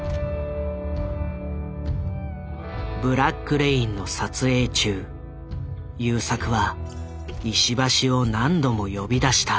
「ブラック・レイン」の撮影中優作は石橋を何度も呼び出した。